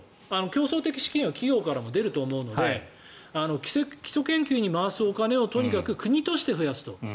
競争的資金は企業からも出ると思うので基礎研究に回すお金をとにかく国として増やすと。